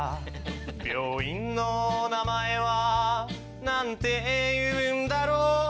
病院の名前は何ていうんだろう